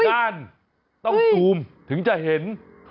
ด้านต้องทุ่มถึงจะเห็น